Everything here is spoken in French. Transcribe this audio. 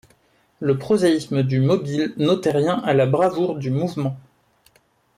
Le prosaïsme du mobile n’ôtait rien à la bravoure du mouvement.